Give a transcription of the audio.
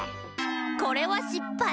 これはしっぱい。